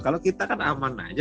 kalau kita kan aman aja